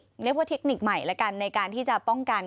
เรียกว่าเทคนิคใหม่แล้วกันในการที่จะป้องกัน